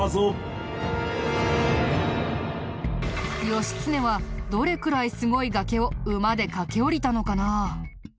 義経はどれくらいすごい崖を馬で駆け下りたのかな？